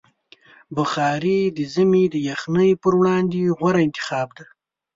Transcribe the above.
بخاري د ژمي د یخنۍ پر وړاندې غوره انتخاب دی.